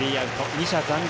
２者残塁。